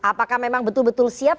apakah memang betul betul siap